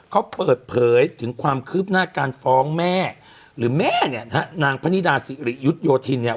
เขาเปิดเผยถึงความคืบหน้าการฟ้องแม่หรือแม่เนี่ยนะฮะนางพนิดาสิริยุทธโยธินเนี่ย